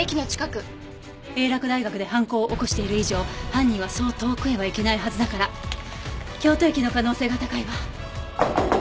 英洛大学で犯行を起こしている以上犯人はそう遠くへは行けないはずだから京都駅の可能性が高いわ。